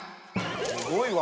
すごいわ。